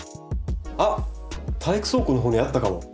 あっ体育倉庫のほうにあったかも。